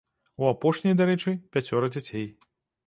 У апошняй, дарэчы, пяцёра дзяцей.